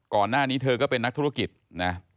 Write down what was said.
ก่อนหน้านี้เธอก็เป็นนักธุรกิจนะ